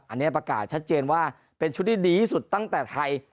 อันนี้ประกาศชัดเจนว่าเป็นชุดที่ดีที่สุดตั้งแต่ไทย